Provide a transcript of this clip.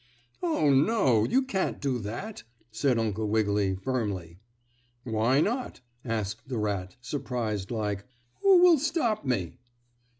"Oh, no, you can't do that," said Uncle Wiggily firmly. "Why not?" asked the rat, surprised like. "Who will stop me?"